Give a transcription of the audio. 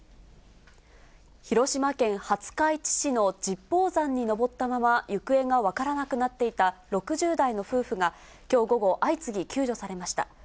広島県廿日市市の十方山に登ったまま、行方が分からなくなっていた６０代の夫婦がきょう午後、相次ぎ救助されました。